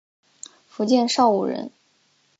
福建邵武人。